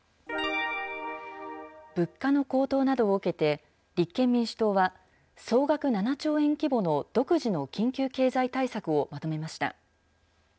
物価の高騰などを受けて、立憲民主党は総額７兆円規模の独自の緊急経済対策をまとめました。